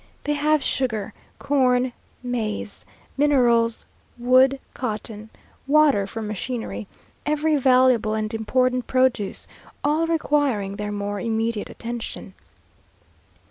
They have sugar, corn, maize, minerals, wood, cotton, water for machinery; every valuable and important produce, all requiring their more immediate attention.